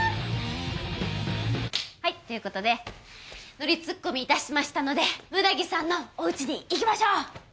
はいということでノリツッコミいたしましたので六田木さんのおうちに行きましょう！